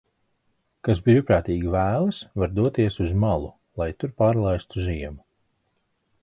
"Kas brīvprātīgi vēlas, var doties uz "malu", lai tur pārlaistu ziemu."